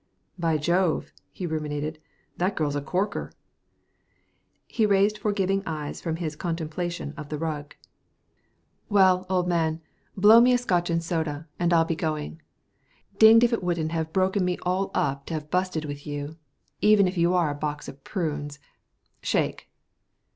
"By Jove," he ruminated, "that girl's a corker!" He raised forgiving eyes from his contemplation of the rug. "Well, old man, blow me to a Scotch and soda, and I'll be going. Dinged if it wouldn't have broken me all up to have busted with you, even if you are a box of prunes. Shake."